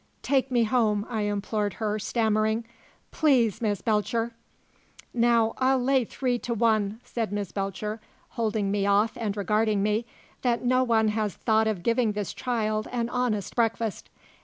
"Take me home," I implored her, stammering. "Please, Miss Belcher!" "Now, I'll lay three to one," said Miss Belcher, holding me off and regarding me, "that no one has thought of giving this child an honest breakfast.